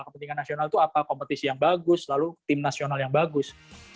kepentingan nasional itu apa kompetisi yang bagus lalu tim nasional yang bagus